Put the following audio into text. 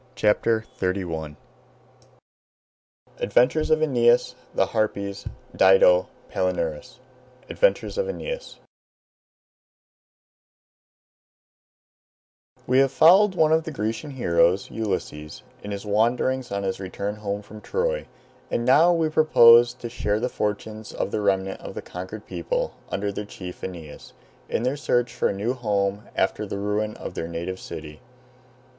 CHAPTER XXXI ADVENTURES OF AENEAS THE HARPIES DIDO PALINURUS ADVENTURES OF AENEAS We have followed one of the Grecian heroes, Ulysses, in his wanderings on his return home from Troy, and now we propose to share the fortunes of the remnant of the conquered people, under their chief Aeneas, in their search for a new home, after the ruin of their native city.